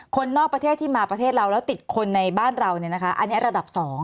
คนนอกประเทศที่มาประเทศเราแล้วติดคนในบ้านเราอันนี้ระดับ๒